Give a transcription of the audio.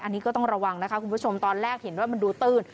อันนี้ก็ต้องระวังนะคะคุณผู้ชมตอนแรกเห็นว่ามันดูตื้น